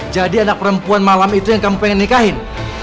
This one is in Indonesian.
jadi anak perempuan malam itu yang kamu pengen nikahin